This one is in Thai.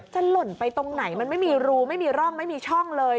หล่นไปตรงไหนมันไม่มีรูไม่มีร่องไม่มีช่องเลย